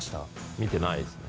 見てないですね。